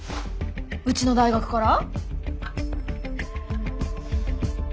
うちの大学から？